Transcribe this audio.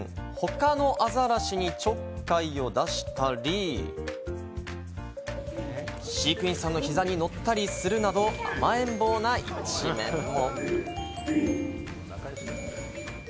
他のアザラシにちょっかいを出したり、飼育員さんの膝に乗ったりするなど、甘えん坊な一面も。